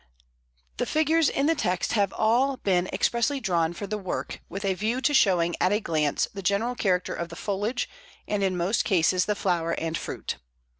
The figures in the text have all been expressly drawn for the work with a view to showing at a glance the general character of the foliage, and in most cases the flower and fruit.